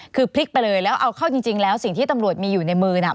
คือพลิกไปเลยแล้วเอาเข้าจริงแล้วสิ่งที่ตำรวจมีอยู่ในมือน่ะ